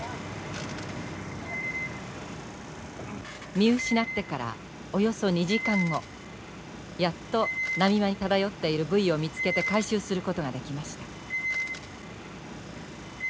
見失ってからおよそ２時間後やっと波間に漂っているブイを見つけて回収することができました。